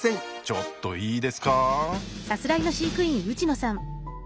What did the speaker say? ちょっといいですか。